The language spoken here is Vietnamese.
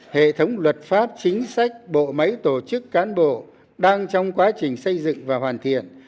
hệ thống luật pháp chính sách bộ máy tổ chức cán bộ đang trong quá trình xây dựng và hoàn thiện